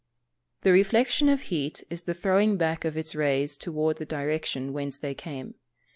_ The reflection of heat is the throwing back of its rays towards the direction whence they came.